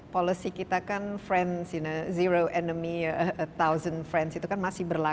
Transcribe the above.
polisi kita kan zero enemy a thousand friends itu kan masih berlaku